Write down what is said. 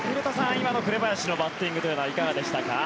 今の紅林のバッティングはいかがでしたか。